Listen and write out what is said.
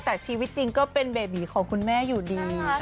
แต่ชีวิตจริงก็เป็นเบบีของคุณแม่อยู่ดี